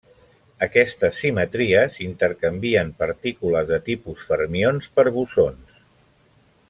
Aquestes simetries intercanvien partícules de tipus fermions per bosons.